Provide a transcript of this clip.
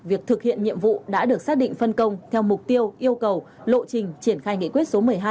việc thực hiện nhiệm vụ đã được xác định phân công theo mục tiêu yêu cầu lộ trình triển khai nghị quyết số một mươi hai